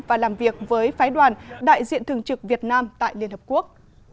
và làm việc với phái đoàn đại diện thường trực việt nam tại liên hợp quốc